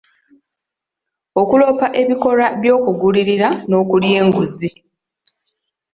Okuloopa ebikolwa by'okugulirira n'okulya enguzi.